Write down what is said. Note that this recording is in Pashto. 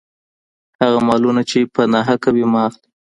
هغه مالونه چي په ناحقه وي مه اخلئ.